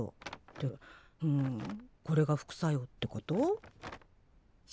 ってふんこれが副作用ってこと？